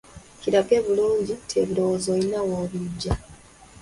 Kirage bulungi nti ebirowoozo olina w'obiggya.